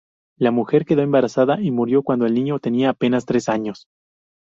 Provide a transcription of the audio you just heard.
La mujer quedó embarazada y murió cuando el niño tenía apenas tres años.